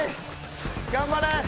頑張れ。